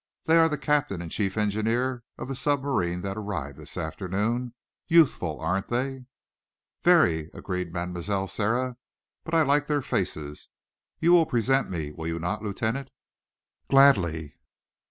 "They are the captain and chief engineer of the submarine that arrived this afternoon. Youthful, aren't they?" "Very," agreed Mademoiselle Sara. "But I like their faces. You will present me, will you not, Lieutenant?" "Gladly."